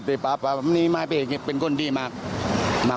ติดต่อขอมอบว่าใครไม่มีแป้งและเป็นคนดีมากเลย